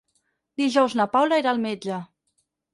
Dijous na Paula irà al metge.